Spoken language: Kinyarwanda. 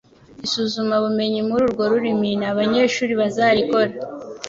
isuzumabumenyi muri urwo rurimi na abanyeshuri bazarikora